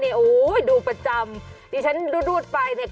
เดี๋ยวดาวติ๊กต๊อกหายลง